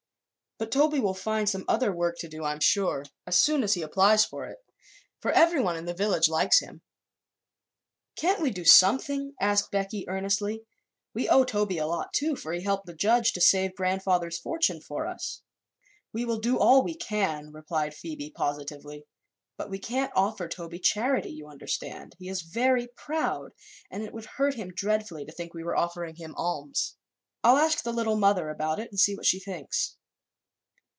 But Toby will find some other work to do, I'm sure, as soon as he applies for it, for everyone in the village likes him." "Can't we do something?" asked Becky earnestly. "We owe Toby a lot, too, for he helped the judge to save grandfather's fortune for us." "We will do all we can," replied Phoebe, positively, "but we can't offer Toby charity, you understand. He is very proud and it would hurt him dreadfully to think we were offering him alms. I'll ask the Little Mother about it and see what she thinks."